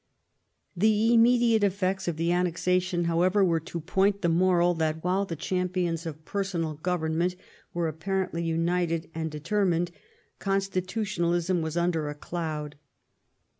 The immediate effects of the annexation, however, were to point the moral that while the champions of personal government were ap parently united and determined. Constitutionalism was under a cloud.